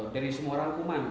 dari semua rangkuman